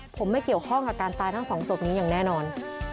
ผมไม่เกี่ยวข้องกับการตายทั้งสองศพนี้อย่างแน่นอน